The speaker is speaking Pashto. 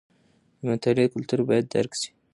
د مطالعې کلتور باید درک شي.